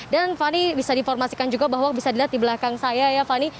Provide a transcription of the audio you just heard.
dan fani bisa diinformasikan juga bahwa bisa dilihat di belakang saya ya fani